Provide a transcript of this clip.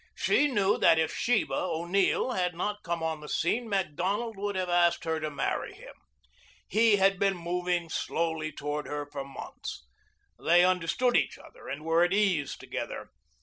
She knew that if Sheba O'Neill had not come on the scene, Macdonald would have asked her to marry him. He had been moving slowly toward her for months. They understood each other and were at ease together.